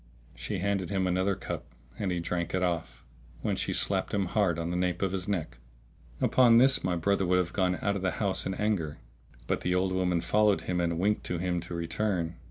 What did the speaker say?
She handed him another cup and he drank it off, when she slapped him hard on the nape of his neck.[FN#644] Upon this my brother would have gone out of the house in anger; but the old woman followed him and winked to him to return.